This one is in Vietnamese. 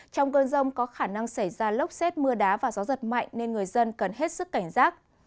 trong cơn rông có khả năng xảy ra lốc xét mưa đá và gió giật mạnh nên người dân cần hết sức cảnh giác